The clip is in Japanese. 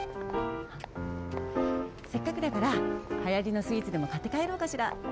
せっかくだからはやりのスイーツでもかってかえろうかしら。